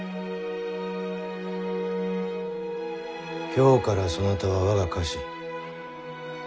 今日からそなたは我が家臣。